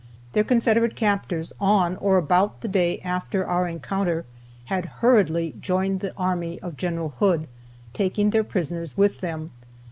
Their Confederate captors, on or about the day after our encounter, had hurriedly joined the army of Gen. Hood, taking their prisoners with them.